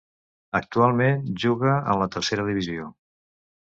Actualment juga en la tercera divisió.